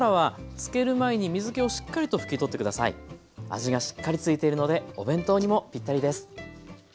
味がしっかりついているのでお弁当にもピッタリです。